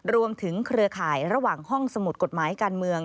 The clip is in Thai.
เครือข่ายระหว่างห้องสมุดกฎหมายการเมือง